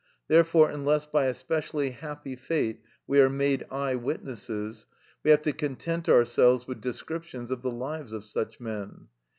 Therefore, unless by a specially happy fate we are made eye witnesses, we have to content ourselves with descriptions of the lives of such men.